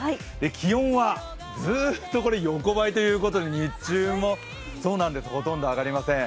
気温はずーっと横ばいということで日中もほとんど上がりません。